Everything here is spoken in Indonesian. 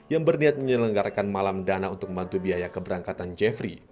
yang berniat menyelenggarakan malam dana untuk membantu biaya keberangkatan jeffrey